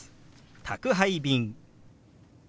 「宅配便」。